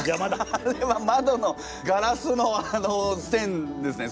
あれはまどのガラスの線ですね。